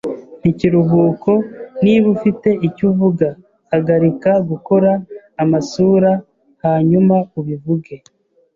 Mpa ikiruhuko. Niba ufite icyo uvuga, hagarika gukora amasura hanyuma ubivuge.